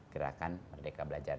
gerakan merdeka belajar